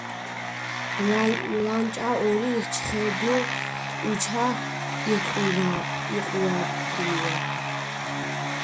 ლანჭა ირო ჩხე დო უჩა იჸუაფუნია